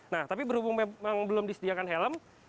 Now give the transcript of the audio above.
nah tapi berhubung memang belum disediakan helm